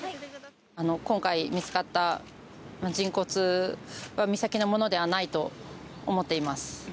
今回見つかった人骨は、美咲のものではないと思っています。